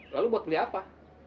lalu buat beli apa